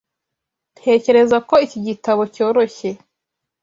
Ntekereza ko iki gitabo cyoroshye.